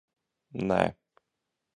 Nē.